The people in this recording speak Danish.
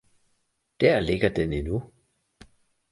Der ligger den endnu